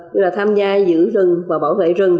như là tham gia giữ rừng và bảo vệ rừng